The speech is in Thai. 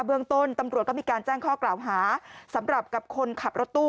เบื้องต้นตำรวจก็มีการแจ้งข้อกล่าวหาสำหรับกับคนขับรถตู้